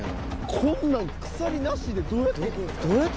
こんなん鎖なしでどうやって。